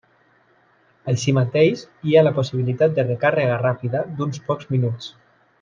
Així mateix, hi ha la possibilitat de recàrrega ràpida d'uns pocs minuts.